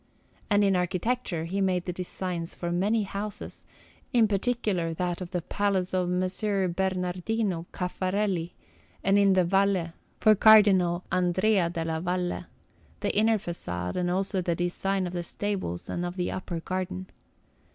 And in architecture he made the designs for many houses; in particular, that of the Palace of Messer Bernardino Caffarelli, and in the Valle, for Cardinal Andrea della Valle, the inner façade, and also the design of the stables and of the upper garden.